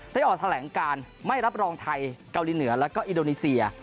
ออกแถลงการไม่รับรองไทยเกาหลีเหนือแล้วก็อินโดนีเซีย